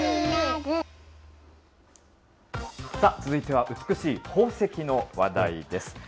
続いては美しい宝石の話題です。